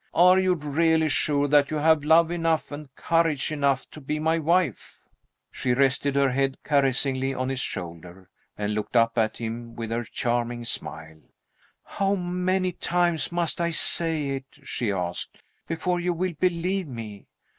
Are you really sure that you have love enough and courage enough to be my wife?" She rested her head caressingly on his shoulder, and looked up at him with her charming smile. "How many times must I say it," she asked, "before you will believe me?